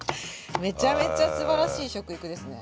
めちゃめちゃすばらしい食育ですね。